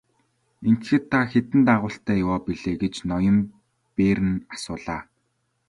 Ингэхэд та хэдэн дагуултай яваа билээ гэж ноён Берн асуулаа.